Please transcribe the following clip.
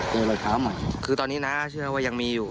มีรอยเท้าใหม่คือตอนนี้น้าเชื่อว่ายังมีอยู่